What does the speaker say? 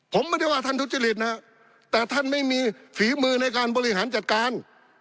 ผมไม่ได้ว่าท่านทุจริตนะฮะแต่ท่านไม่มีฝีมือในการบริหารจัดการ